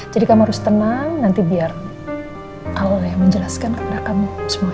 jadi kamu harus tenang nanti biar allah yang menjelaskan pada kamu semuanya